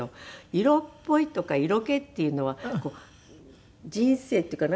色っぽいとか色気っていうのは人生っていうかな。